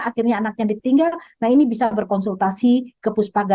akhirnya anaknya ditinggal nah ini bisa berkonsultasi ke puspaga